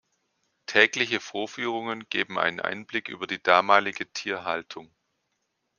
Tägliche Vorführungen geben einen Einblick über die damalige Tierhaltung.